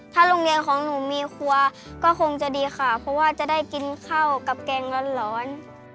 ถ้าโรงเรียนของหนูมีครัวก็คงจะดีค่ะเพราะว่าจะได้กินข้าวกับแกงร้อน